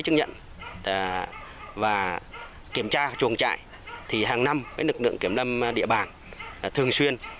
năng tăng cường